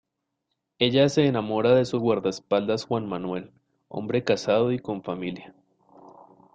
Ella se enamora de su guardaespaldas Juan Manuel, hombre casado y con familia.